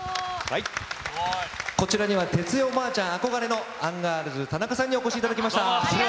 こちらには、哲也ばあちゃん憧れのアンガールズ・田中さんにお越しいただきまどうも。